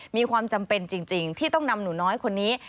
มีความจำเป็นจริงที่ต้องนำหนูน้อยคนนี้